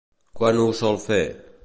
Quan ho sol fer?